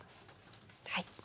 はい。